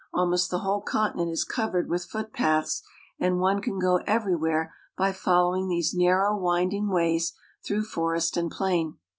Almost the whole continent is covered with footpaths, and one can go every where by following these narrow, winding ways through forest and plain.